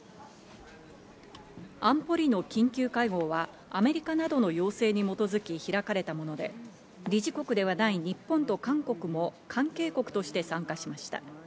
安保理の緊急会合はアメリカなどの要請に基づき開かれたもので、理事国ではない日本と韓国も関係国として参加しました。